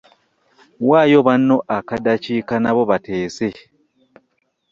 Waayo banno akaddakiika nabo bateese.